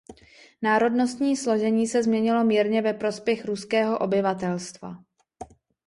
Národnostní složení se změnilo mírně ve prospěch ruského obyvatelstva.